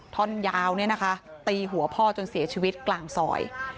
ท่อนยาวเนี่ยนะคะตีหัวพ่อจนเสียชีวิตกลางซอย